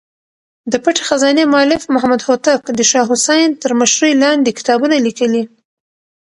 د پټې خزانې مولف محمد هوتک د شاه حسين تر مشرۍ لاندې کتابونه ليکلي.